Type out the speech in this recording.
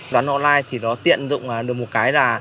thanh toán online thì nó tiện dụng được một cái là